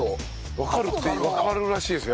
わかるってわかるらしいですよ